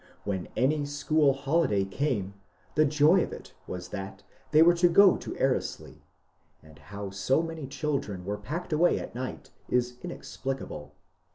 When any school holiday came the joy of it was that they were to go to ^^ Erleslie ;" and how so many children were packed away at night is inexplicable.